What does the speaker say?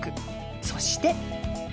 そして。